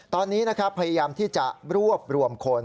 ตอนนี้นะครับพยายามที่จะรวบรวมคน